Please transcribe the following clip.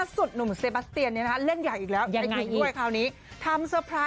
สุดหนุ่มเซบัสเตียนเนี่ยนะเล่นใหญ่อีกแล้วยังไงด้วยคราวนี้ทำ